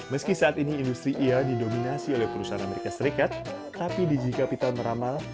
meski saat ini industri ir didominasi oleh perusahaan as tapi digigapital meramal